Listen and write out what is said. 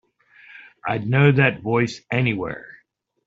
I'd know that voice anywhere.